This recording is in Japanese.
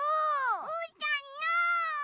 うーたんの！